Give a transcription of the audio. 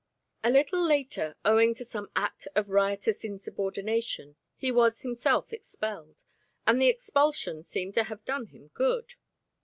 A little later, owing to some act of riotous insubordination, he was himself expelled, and the expulsion seemed to have done him good.